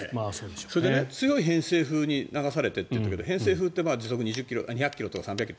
それで強い偏西風に流されてって言ってるけど偏西風って時速２００ｋｍとか３００ｋｍ。